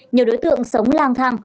nhiều đối tượng sống lang thang